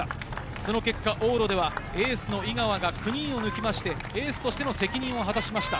その結果、往路ではエースの井川が９人を抜いてエースとしての責任を果たしました。